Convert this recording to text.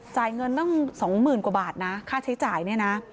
จ่ายเงินต้อง๒๐๐๐๐บาทค่าใช้จ่ายนี่นะ